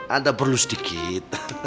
anda perlu sedikit